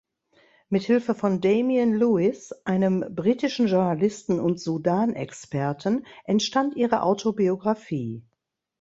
Mit Hilfe von Damien Lewis, einem britischen Journalisten und Sudan-Experten, entstand ihre Autobiographie.